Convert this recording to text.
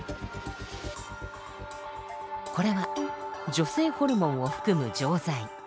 これは女性ホルモンを含む錠剤。